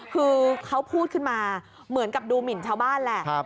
คือเขาพูดขึ้นมาเหมือนกับดูหมินชาวบ้านแหละ